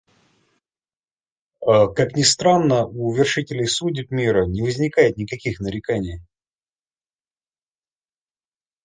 Как ни странно, у вершителей судеб мира не возникает никаких нареканий.